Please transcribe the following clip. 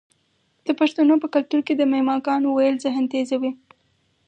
د پښتنو په کلتور کې د معما ګانو ویل ذهن تیزوي.